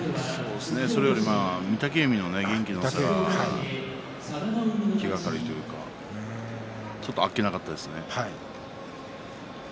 それより御嶽海の方が気がかりというかちょっと、あっけなかったですね。